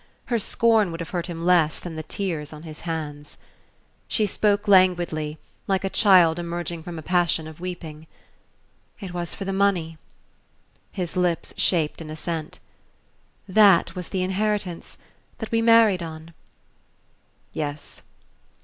Her scorn would have hurt him less than the tears on his hands. She spoke languidly, like a child emerging from a passion of weeping. "It was for the money ?" His lips shaped an assent. "That was the inheritance that we married on?" "Yes."